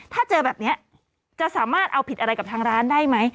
ถ้าเจอแบบนี้จะสามารถเอาผิดอะไรกับทางร้านได้ไหม